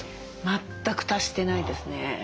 全く達してないですね。